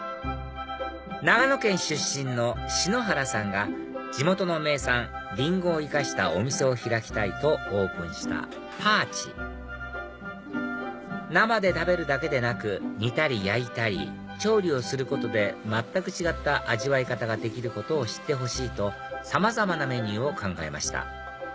長野県出身の篠原さんが地元の名産リンゴを生かしたお店を開きたいとオープンしたＰＥＲＣＨ生で食べるだけでなく煮たり焼いたり調理をすることで全く違った味わい方ができることを知ってほしいとさまざまなメニューを考えました